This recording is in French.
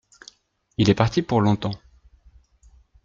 Il est parti pour longtemps.